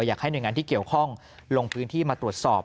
อยากให้หน่วยงานที่เกี่ยวข้องลงพื้นที่มาตรวจสอบ